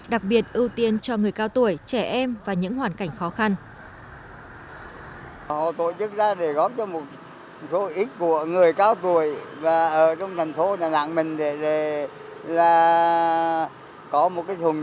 đặc biệt ưu tiên cho người cao tuổi trẻ em